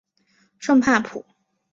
圣帕普。